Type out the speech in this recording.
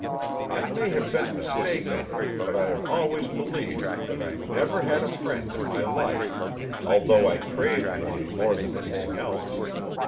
I may have been mistaken, but I have always believed that I never had a friend in my life, although I craved one more than anything else.